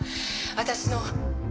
私の。